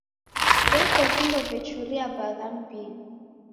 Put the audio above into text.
Veko vindo vechuria bagha m'mbinyi.